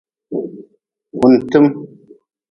Kuntim.